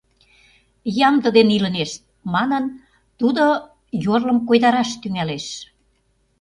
Ямде дене илынешт, — манын, тудо йорлым койдараш тӱҥалеш.